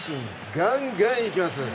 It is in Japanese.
ガンガンいきます！